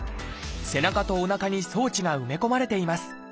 背中とおなかに装置が埋め込まれています。